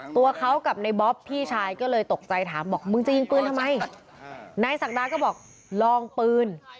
ตัวเขากับในบ๊อบพี่ชายก็เลยตกใจถามบอกมึงจะยิงปืนทำไมนายศักดาก็บอกลองปืน